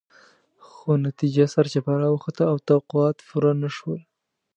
خو نتیجه سرچپه راوخته او توقعات پوره نه شول.